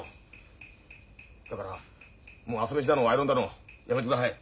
だからもう朝飯だのアイロンだのやめてください。